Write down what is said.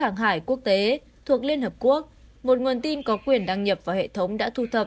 hàng hải quốc tế thuộc liên hợp quốc một nguồn tin có quyền đăng nhập vào hệ thống đã thu thập